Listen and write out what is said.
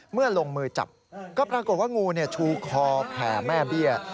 เมื่อลงมือจับก็ปรากฏว่างูชูคอแผ่แม่เบี้ย